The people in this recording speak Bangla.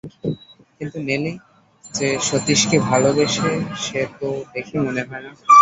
কিন্তু, নেলি যে সতীশকে ভালোবাসে সে তো দেখে মনে হয় না।